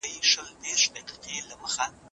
جګړه د انسان دښمنه ده.